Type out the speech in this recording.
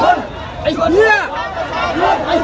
เฮียเฮียเฮีย